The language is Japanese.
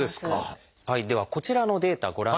ではこちらのデータご覧ください。